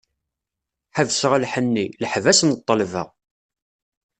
Ḥebseɣ lḥenni, leḥbas n ṭṭelba.